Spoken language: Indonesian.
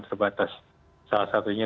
terbatas salah satunya